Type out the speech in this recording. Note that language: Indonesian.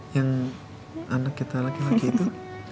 yang anak kita laki laki itu